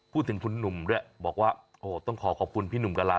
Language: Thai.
พูดถึงคุณหนุ่มด้วยบอกว่าโอ้ต้องขอขอบคุณพี่หนุ่มกะลา